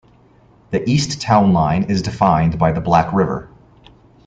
The east town line is defined by the Black River.